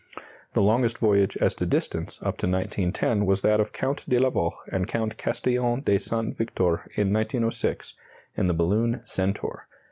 The longest voyage, as to distance, up to 1910, was that of Count de La Vaulx and Count Castillon de Saint Victor in 1906, in the balloon "Centaur."